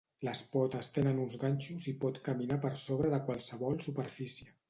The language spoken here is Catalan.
Les potes tenen uns ganxos i pot caminar per sobre de qualsevol superfície.